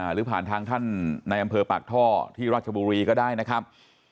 หรือผ่านทางท่านในอำเภอปากท่อที่ราชบุรีก็ได้นะครับ